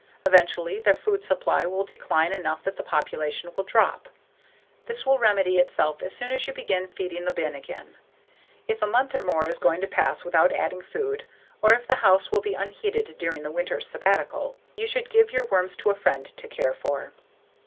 Eventually their food supply will decline enough that the population will drop. This will remedy itself as soon as you begin feeding the bin again. If a month or more is going to pass without adding food or if the house will be unheated during a winter "sabbatical," you should give your worms to a friend to care for.